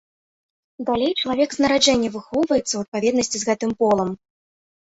Далей чалавек з нараджэння выхоўваецца ў адпаведнасці з гэтым полам.